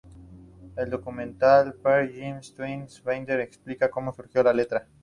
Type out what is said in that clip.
En el documental Pearl Jam Twenty, Vedder explica como surgió la letra.